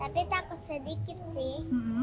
tapi takut sedikit sih